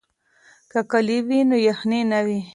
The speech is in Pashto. که کالي وي نو یخنۍ نه وي.